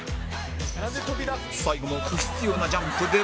最後も不必要なジャンプで×